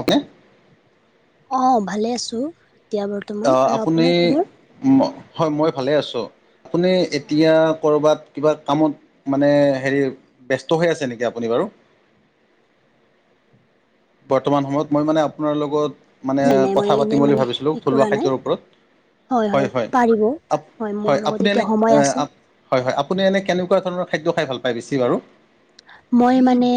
Okay অ ভালে আছো এতিয়া বৰ্তমান অ' আৰু আপুনি আপোনাৰ খবৰ? হয় মই ভালে আছো আপুনি এতিয়া কৰ'বাত কিবা কামত মানে হেৰি ব্যস্ত হৈ আছে নেকি আপুনি বাৰু। বৰ্তমান সময়ত মই মানে আপোনাৰ লগত মানে নাই নাই মই কথা পাতিম এনেই বুলি মানে ভাবিছিলো। এ থলুৱা কৰা নাই খাদ্যৰ ওপৰত হয় হয় অহ মোৰ হয় লগত আপুনি এতিয়া এনে। সময় আছে হয়, হয় আপুনি এনে কেনেকোৱা ধৰণৰ খাদ্য খাই ভাল পায় বেছি বাৰু। মই মানে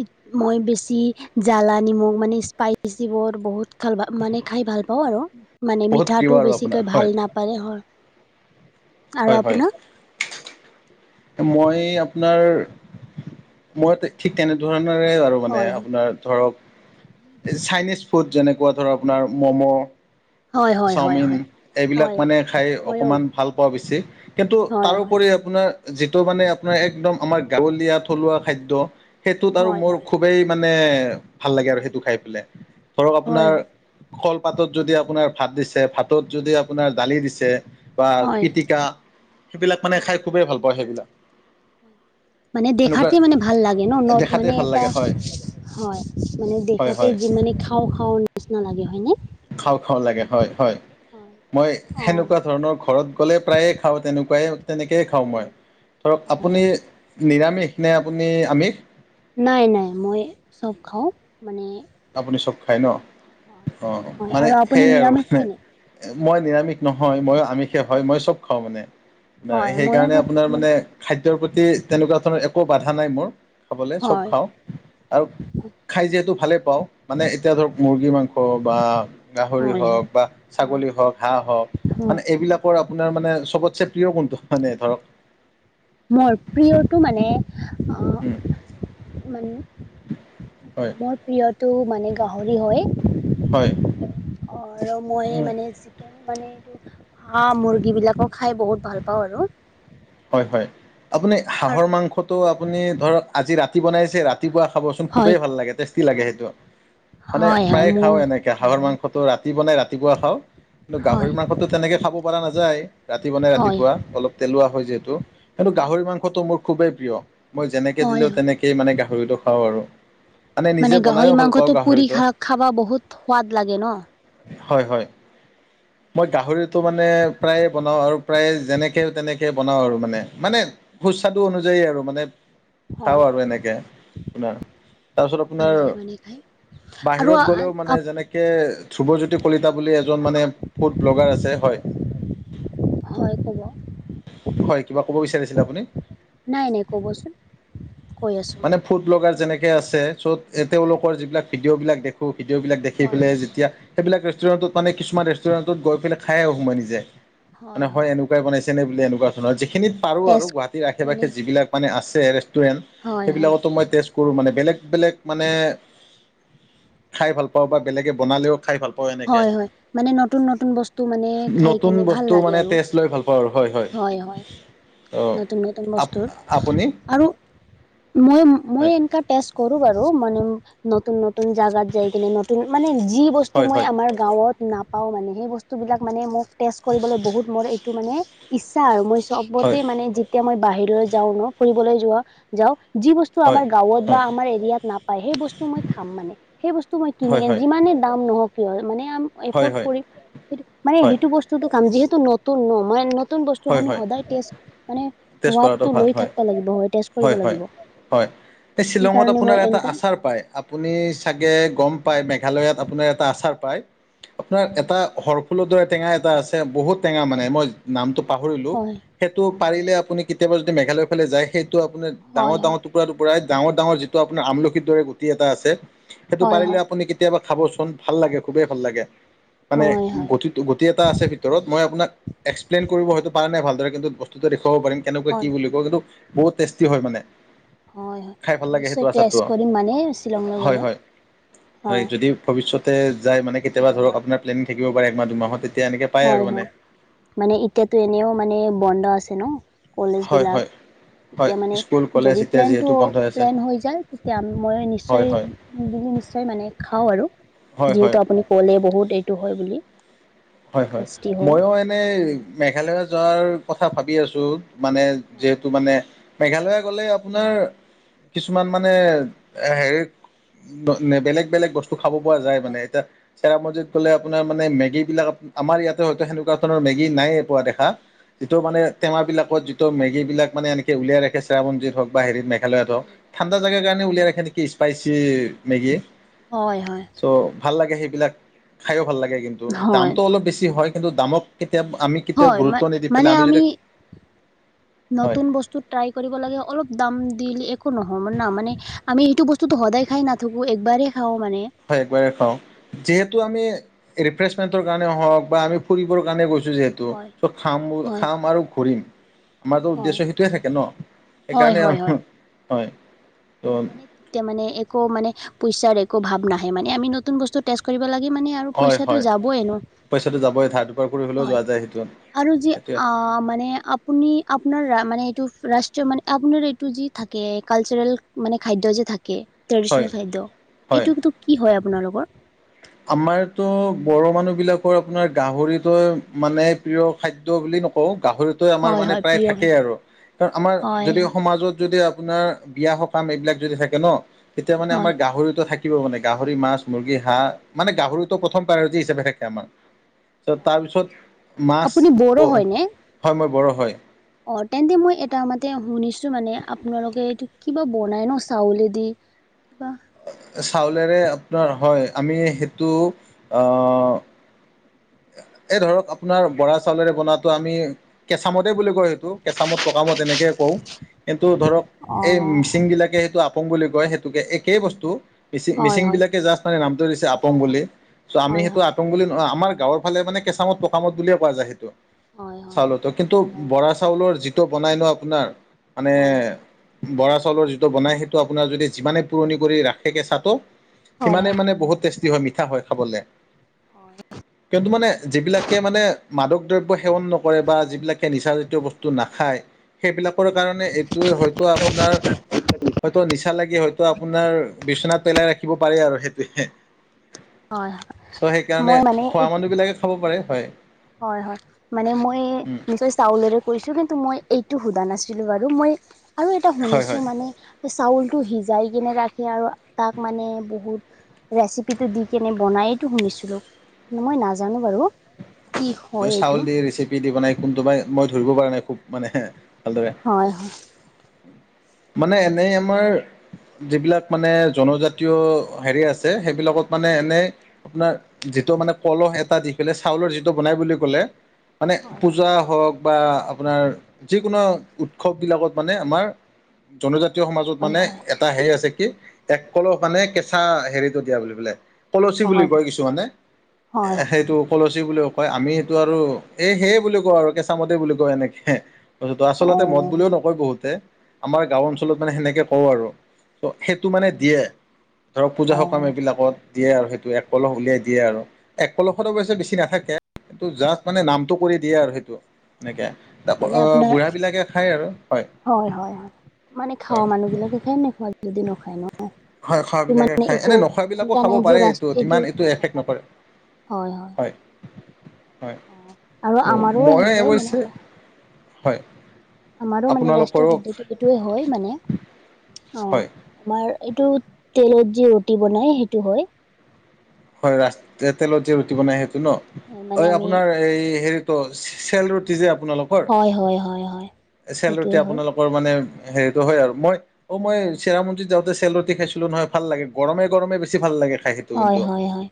ই মই বেছি জ্বালা নিমখ মানে স্পাইচিবোৰ বহুত খালা মানে খাই ভাল পাও আৰু মানে বহুত প্ৰিয় মিঠাটো আৰু আপোনাৰ বেছিকৈ ভাল হয় না পালে হয় আৰু হয় হয়। আপোনাক মই আপোনাৰ মই ঠিক তেনেধৰণৰে আৰু মানে হয় আপোনাৰ ধৰক চাইনিজ ফুড যেনেকুৱা ধৰক আপোনাৰ মম হয় হয় হয় চাওমিন হয় এইবিলাক হয় মানে খাই ময়ো অকমান ভাল পাও বেছি কিন্তু হয় হয় তাৰোপৰি আপোনাৰ যিটো মানে আপোনাৰ একদম আমাৰ গাঁৱলীয়া থলুৱা খাদ্য সেইটোত আৰু হয় মোৰ হয় খু বেই মানে ভাল লাগে আৰু হয় সেইটো খাই পেলাই ধৰক হয় আপোনাৰ হয় কল পাতত যদি আপোনাৰ ভাত দিছে ভাতত যদি আপোনাৰ দালি দিছে বা হয় পিটিকা সেইবিলাক মানে খাই হয় খুবেই ভাল পাও সেইবিলাক। মানে সেনেকুৱা দেখাতে মানে ভাল লাগে ন ন দেখাতে মানে ভাল এটা লাগে হয় হয় মানে হয় দেখাতে হয় যিমানে খাও খাও নিচিনা লাগে হয়নে খাও খাও লাগে হয় হয় হয় মই অঁ হয় সেনেকোৱা ধৰণৰ ঘৰত গলে প্ৰায়ে খাও তেনেকোৱাই তেনেকেই খাও মই। হয় ধৰক আপুনি হয় নিৰামিষ নে আপুনি আমিষ। নাই নাই মই চব খাও মানে আপুনি চব খাই ন অ হয় মানে আৰু আপুনি সেই আৰু নিৰামিষ মানে। হয় নি মই নিৰামিষ নহয় মইয়ো আমিষ হয়, মই চব খাও মানে হয় ময়ো সেইকাৰণে খুব আপোনাৰ মানে খাদ্যৰ প্ৰতি তেনেকোৱা ধৰণৰ একো বাধা নাই মোৰ খাবলৈ চব হয় খাও আৰু খাই যিহেতু ভালে পাও। মানে এতিয়া ধৰক হয় মুৰ্গী মাংস বা গাহৰি হয় হয় হওক বা হয় ছাগলী হওক হাঁহ হওক হয় মানে এইবিলাকৰ আপোনাৰ মানে চবতছে প্ৰিয় কোনটো মানে ধৰক- মোৰ প্ৰিয়টো মানে- উম অহ মানে হয় মই প্ৰিয়টো মানে গাহৰি হয় হয় অ আৰু মই উম মানে যে নেকে মানে এইটো হাঁহ মুৰ্গীবিলাকো খাই বহুত ভাল পাও আৰু হয় হয় আপুনি আৰু হাঁহৰ মাংসটো আপুনি ধৰক আজি ৰা তি বনাইছে ৰাতিপুৱা খাবচোন হয় খুবেই ভাল লাগে টেষ্টি লাগে সেইটো মানে হয় হয় প্ৰায়ে খাও মোৰ এনে এ হাঁহৰ মাংসটো ৰাতি বনাই ৰাতিপুৱা খাওঁ। কিন্তু হয় গাহৰি মাংসো তেনেকে খাব পৰা নাযায়, ৰাতি বনাই হয়, ৰাতিপুৱা অলপ তেলোৱা হয় যিহেতু। সেইটো গাহৰি মাংসটো মোৰ খুবেই প্ৰিয়, মই যেনেকে দিলে হয় তেনেকেই মানে গাহৰিটো খাওঁ আৰু। মানে নিজে গাহৰি বনায়ো ভাল পাওঁ মাংসটো পুৰি গাহৰিটো খা খাবা বহুত সোৱাদ লাগে ন। হয় হয়। মই গাহৰিটো মানে প্ৰায়ে বনাওঁ আৰু প্ৰায়ে যেনেকে তেনেকে - বনাওঁ আৰু মানে মানে সুস্বাদু অনুযায়ী আৰু মানে। খাও হয় আৰু এনেকে আপোনাৰ তাৰপিছত ভাল আপোনাৰ লাগে মানে খাই আৰু বাহিৰত গলেও মানে যেনে কে ধ্ৰুৱজ্যোতি কলিতা বুলি এজন মানে ফুড ব্লগাৰ আছে হয় হয় কব হয় কিবা ক'ব বিচাৰিছিল আপুনি নাই নাই ক'বচোন কৈ আছো মই মানে ফুড ব্লগাৰ যেনেকে আছে চ' তেওঁলোকৰ যিবিলাক ভিডিঅ' বিলাক দে ভিডিঅ' বিলাক দেখি হয় পেলাই হয় যেতিয়া- সেইবিলাক ৰেষ্টুৰেণ্টত মানে কিছুমান ৰেষ্টুৰেণ্টত গৈ পেলাই খাই সোমাই নিজে মানে হয় এনেকুৱা- তাই বনাইছে নে বুলি এনেকুৱা ধৰ যিখিনিত পাৰো আৰু তেজ গুৱাহাটীৰ আশে মানে পাশে যিবিলাক মানে আছে। টোৰেন, হয় হয় সেইবিলাকতো মই টেষ্ট- কৰো মানে বেলেগ বেলেগ মানে খাই ভাল পাওঁ বা বেলেগে বনালেও খাই ভাল পাওঁ এনেকে হয় হয়, মানে নতুন নতুন বস্তু মানে খাই নতুন কেনে ভাল বস্তু লাগে মানে আৰু। টেষ্ট লৈ ভাল পাওঁ আৰু হয় হয় অঁ নতুন নতুন আপ বস্তুৰ আপুনি আৰু- মই মই হয় এনেকা টেষ্ট কৰো বাৰু, মানে- নতুন নতুন জাগাত যাই কিনে নতুন মানে যি বস্তু- হয় মই হয় আমাৰ গাঁৱত নাপাওঁ মানে সেই বস্তু বিলাক মানে মোক টেষ্ট কৰিবলৈ বহুত মোৰ এইটো মানে- ইচ্ছা আৰু মই হয় চবতে মানে যেতিয়া মই বাহিৰলৈ যাওঁ ন ফুৰিবলৈ যোৱা যাওঁ যি বস্তু- হয় আমাৰ গাঁৱত বা আমাৰ এৰিয়াত নাপায় সেই বস্তু মই খাম মানে। সেই বস্তু মই হয় হয় কিনি হয় হয় যিমানে দাম নহক। মানে হয় এফৰ্ড হয় কৰিম সেই মানে হয় সেইটো বস্তুটো কাম যিহেতু নতুন ন মই- নতুন বস্তু হয় আমি হয় সদায় টেষ্ট মানে, টেষ্ট কৰাটো সোৱাদটো ভাল লৈ হয় থাকিব লাগিব হয় টেষ্ট কৰিব লাগিব - হয়, এই শ্বিলঙত আপোনাৰ এটা আচাৰ পায়। আপুনি চাগে গম পায় মেঘালয়ত আপোনাৰ এটা আচাৰ পায়, আপোনাৰ এটা হৰফুলৰ দৰে টেঙা এটা আছে বহুত টেঙা মানে মই নামটো- পাহৰিলো হয় সেইটো পাৰিলে আপুনি কেতিয়াবা যদি মেঘালয় ফালে যায় সেইটো আপুনি ডাঙৰ হয় ডাঙৰ হয় টো- টুকুৰা টো পুৰাই ডাঙৰ ডাঙৰ যিটো আপোন আমলখিৰ দৰে গুটি এটা আছে সেইটো হয় পাৰিলে। হয় আপুনি- কেতিয়াবা খাবচোন ভাল লাগে খুবেই ভাল লাগে মানে হয় হয় গতিত- তো গোটেই এটা আছে ভিতৰত, মই আপোনাক এক্সপ্লেইন কৰিব হয়তো পৰা নাই ভালদৰে কিন্তু বস্তুটো দেখুৱাব পাৰিম। কেনেকুৱা কি হয় বুলি কয় কিন্তু বহুত টেষ্টি হয় মানে। হয় হয় খাই ভাল মই লাগে সেইটো নিশ্চয় আচাৰটো, টেষ্ট কৰিম মানে শ্বিলংলৈ হয় গ'লে হয় হয় যদি- ভৱিষ্যতে যায় মানে কেতিয়াবা হয় ধৰক হয় আপোনাৰ প্লেনিং থাকিব পাৰে একমাহ দুমাহতে- হয় হয় মানে এতিয়াতো এনেও মানে বন্ধ আছে ন কলেজ হয় হয় বিলাক- হয় তেতিয়া মানে স্কুল কলেজ যদি এতিয়া প্লেনটো যিহেতু বন্ধ আছে প্লেন হৈ যায় তেতিয়া মই হয় নিশ্চয়- হয় নিশ্চয় মানে খাওঁ আৰু হয় যিহেতু হয় আপুনি কলে বহুত এইটো হয় বুলি। হয় হয় ময়ো এনেই মেঘালয় যোৱাৰ কথা ভাবি আছোঁ। মানে হয় যিহেতু মানে মেঘালয়া গলে আপোনাৰ কিছুমান হয় মানে- এ হেৰি বেলেগ বেলেগ বস্তু খাব পৰা যায় হয় মানে এতিয়া- চেৰাপুঞ্জীত গ'লে আপোনাৰ মানে মেগী বিলাক আমাৰ ইয়াতে হয়তো সেনেকুৱা ধৰণৰ মেগী নাইে পোৱা দেখা। যিটো মানে টেমা বিলাকত যিটো মেগী বিলাক মানে এনেকে উলিয়াই ৰাখে চেৰাপুঞ্জীত হওক বা হেৰি মেক- লৈয়াত হওক হয় ঠাণ্ডা জাগাৰ কাৰণে উলিয়াই ৰাখে নেকি স্পাইচি মেগী। হয় হয়। চ' ভাল লাগে সেইবিলাক খাইয়ো ভাল লাগে, কিন্তু দাম- হয় হয় অলপ বেছি হয়, কিন্তু দামক কেতিয়া আমি- কেতিয়াও হয় ম গুৰুত্ব নিদি মানে পেলাই যদি আমি হয় নতুন বস্তু, ট্ৰাই কৰিব লাগে অলপ দাম দিলে একো নহ'য়ব না মানে আমি সেইটো বস্তুটো সদায় খাই নাথাকো একবাৰেই খাও মানে। হয় একবাৰে খাও যিহেতু আমি ৰিফ্ৰেছমেন্টৰ কাৰণে হওক বা আমি ফুৰিবৰ কাৰণে গৈছো যিহে টো হয় চ খাম - হয় খাম আৰু ঘূৰিম। আমাৰতো উদ্দেশ্য হয় সেইটোৱে থাকে ন হয় সেইকাৰণে আৰু হয় হয় হয়- ত' মানে- তেতিয়া মানে একো মানে পইচাৰ একো ভাৱ নাহে মানে আমি নতুন বস্তু টেষ্ট কৰিব লাগে মানে আৰু। হয় পইচাটো হয় যাবই ন, পইচাটো যাবই ধাৰ দুপাৰ কৰি হ'লেও হয় যোৱা যায় সেইটোত আৰু যে সেইটোৱে আ মানে আ আপুনি আপোনাৰ মানে এইটো ৰাষ্ট্ৰীয় মানে আপোনাৰ এইটো যি থাকে কালচাৰেল মানে খাদ্য যে থাকে হয় ট্ৰেডিচনেল খাদ্য হয় এইটো টো কি হয় আপোনালোকৰ? আমাৰতো বড়ো মানুহবিলাকৰ আপোনাৰ গাহৰিটোৱে মানে প্ৰিয় খাদ্য বুলি নকও গাহৰিত টোৱে আমাৰ হয় মানে হয় প্ৰায় প্ৰিয় থাকেই খাদ্য আৰু কাৰণ আমাৰ হয় যদি হয় সমাজত যদি আপোনাৰ বিয়া সকাম এইবিলাক যদি থাকে ন তেতিয়া মানে আমাৰ হয় গাহৰিতো থাকিব মানে গাহৰি মাছ মুৰ্গী হাহ মানে গাহৰিটো প্ৰথম পাইওৰিতি হিচাপে থাকে আমাৰ। ত অ', তাৰপিছত মাছ আপুনি বড়ো হয় হয়নে? মই বৰো হয়। অ, তেন্তে মই এটা মতে শুনিছো মানে আপোনালোকে এইটো কিবা বনাই ন চাউলেদি। হ [unintelligible] চাউলেৰে আপোনাৰ হয় আমি সেইটো অ, এই ধৰক আপোনাৰ বৰা চাউলেৰে বনাতো আমি কেচামদেই বুলি কয় সেইটো কেচামদ পকা মদ তেনেকেই কও কিন্তু ধৰক এই অ', মিচিং বিলাকে সেইটো আপোং বুলি কয় সেইটোকে এইেই বস্তু মিচি হয়, মিচিং হয়, বিলাকে জাষ্ট নামটো দিছে আপং বুলি চ' আমি হয়, সেইটো হয়। আপং বুলি আমাৰ গাঁৱৰ ফালে মানে কেঁচামদ পকামদ বুলিয়ে কোৱা যায় সেইটো হয়, হয়, চাউলতো কিন্তু অ', বৰা চাউলৰ যি বনাই ন আপোনাৰ মানে হয়, হয়। বৰা চাউলৰ যিটো বনাই সেইটো আপোনাৰ যদি যিমানে পুৰণি কৰি ৰাখে কেচাহটো হয়, সিমানে মানে বহুত টেষ্টি হয় মিঠা হয় খাবলে। হয়। কিয়নু মানে যিবিলাকে মানে মাদক দ্ৰব্য সেৱন নকৰে বা যিবিলাকে নিচাজাতীয় বস্তু নাখায়। সেইবিলাকৰ কাৰণে এইটো হয়তো আপোনাৰ হয়তো নিচা লাগে হয়তো আপোনাৰ বিচনাত পেলাই ৰাখি শিকিব পাৰি আৰু সেইটোৱে হয়, হয়। চ' সেইকাৰণে মই মানে এইটো এই বিলাকে খাব পাৰে হয়। হয় - হয় মানে মই উম, নিজৰ চাউলেৰে কৈছো কিন্তু মই এইটো সোধা নাছিলো বাৰু মই আৰু এটা হয় শুনিছো হয় মানে চাউলটো সিজাই কিনে ৰাখে আৰু তাক মানে বহুত ৰেচিপিটো দি কেনে বনায়টো শুনিছিলো মই নাজানো বাৰু। [unintelligible] চাউল দি ৰেচিপি দি বনাই কোনটো বাই মই ধৰিব পৰা নাই খুব মানে ভালদৰে। হয়-হয়। মানে এনেই আমাৰ যিবিলাক মানে জনজাতীয় হেৰি আছে সেইবিলাকত মানে এনে আপোনাৰ যিটো মানে কলহ এটা দি পেলাই চাউলৰ যিটো বনাই বুলি কলে। মানে হয় পূজা হওক বা আপোনাৰ যিকোনো উৎসৱবিলাকত মানে আমাৰ জনজাতীয় সমাজত হয় মানে হয় এটা হেৰি আছে কি একলপ মানে কেঁচা হেৰিটো দিয়া বুলি বোলে। কলচি বুলি হয় কয় কিছুমানে হয় সেইটো কলচী বুলি কয় আমি এইটো আৰু এই সেয়ে বুলি কও আৰু কেঁচামতে বুলি কয় এনেকে। ত, অ আচলতে মদ বুলিও নকয় বহুতে। আমাৰ গাঁও অঞ্চলত মানে সেনেকে কও আৰু। ত' সেইটো মানে দিয়ে ধৰক পূজা অ সকাম এইবিলাকত। দিয়ে আৰু সেইটো এক কলশ উলিয়াই দিয়ে আৰু। এক কলশত অৱশ্যে বেছি নাথাকে। এইটো জাষ্ট মানে নামটো কৰি দিয়ে আৰু সেইটো। এনেকে, তাৰ মানে উপৰত আপোনাৰ বুঢ়াবিলাকে খায় আৰু, হয়। হয় - হয় - হয়, মানে খাও হয় মানুহ বিলাকে খায় নে খোৱ যদি নখায় ন। হয় খোৱা এইটো বিলাকে মানে খাই, একো এনে নোখোৱা বিলাকো এনেকা খাব নাই যে পাৰে ৰাষ্ট এইটো ইমান এইটো এফেক্ট নকৰে। হয়, হয়, হয়, অ আৰু ত' আমাৰো মই সেনেকে মানে অৱশ্যে, হয়, আমাৰ মানে ৰাষ্ট্ৰীয় আপোনালোকৰো খাদ্যটো এইটোয়েই হয় মানে, অ, হয় আমাৰ এইটো, তেলত যে ৰুটি বনাই সেইটো হয়। হয় ৰাস, যে তেলত যে ৰুটি বনাই সেইটো ন, হয় অ, মানে আমি আপোনাৰ এই হেৰিতো চেল ৰুটি যে আপোনালোক হয়, হয়, হয় হয়, সেইটোৱে হয়। [unintelligible] মানে হেৰিটো হয় আৰু মই অ', মই চেৰাপুণ্জিত যাওঁতে চেল ৰুটি খাইছিলো নহয় ভাল লাগে, গৰমে গৰমে বেছি ভাল লাগে খাই। [unintelligible] হয় হয় হয়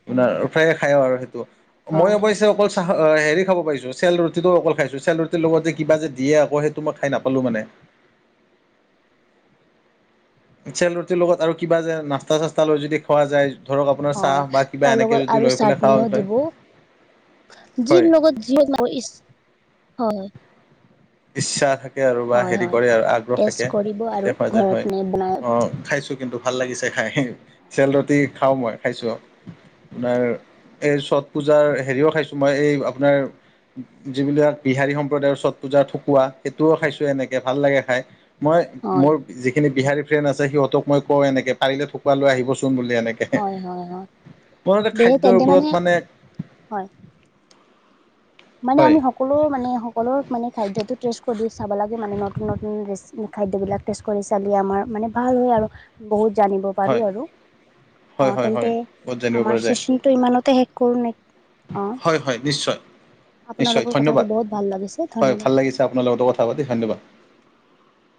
মই হয় অৱশ্যে অকল [unintelligible] হেৰি খাব পাৰিছোঁ, চেল ৰুটিটো অকল খাইছোঁ চেল ৰুটিৰ লগত যে কিবা যে দিয়ে আকৌ সেইটো মই খাই নাপালোঁ মানে। চেল ৰুটিৰ লগত আৰু কিবা যে নাস্তা চাস্তা লৈ যদি খোৱা যায়। ধৰক আপোনাৰ চাহ হয় বা কিবা তাৰ এনেকে লগত যদি লৈ পেলাই খাওঁ তাতে। যিৰ লগত যিহক ইচ, হয়, ইচ্ছা [unintelligible] [unintelligible] বা হয় হেৰি হয় কৰে আৰু আগ্ৰহ টেষ্ট থাকে কৰিব আৰু হয় যে ঘৰত হয়, নে বনাই অ, হয় খাইছো কিন্তু। ভাল লাগিছে খাই, চেল ৰুটি খাওঁ মই খাইছোঁ, আৰু এই চত পূজাৰ হেৰিও খাইছোঁ মই এই আপোনাৰ, যিবিলাক বিহাৰী সম্প্ৰদায়ৰ চত পূজা ঠেকুৱা সেইটোও খাইছোঁ এনেকে ভাল লাগে খাই, মই হয় মোৰ যিখিনি বিহাৰী ফ্ৰেণ্ড আছে সিহঁতক মই কওঁ এনেক পাৰিলে ঠকুৱা লৈ আহিব চোন বুলি এনেকে। হয় হয় হয় মোৰ এটা দে খাদ্যৰ তেন্তে ওপৰত মানে হয়, মানে হয় আমি সকলো মানে সকলো খাদ্যতো টেষ্ট কৰি চাব লাগে মানে নতুন নতুন ৰেচ খাদ্যবিলাক টেষ্ট কৰি চালি আমাৰ মানে ভাল হয়, আৰু বহুত জানিব পাৰো হয় আৰু। হয় অ', হয় তেন্তে, হয় বহুত জানিব আমাৰ পৰা যায় চেচনটো ইমানতে শেষ কৰোঁ নে, অ, হয়, হয় নিশ্চয়। নিশ্চয় পাতি ধন্যবাদ, বহুত ভাল লাগিছে হয় ধন্যবাদ ভাল লাগিছে আপোনাৰ লগতো কথা পাতি ধন্যবাদ।